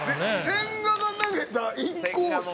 「千賀が投げたインコースバーン！」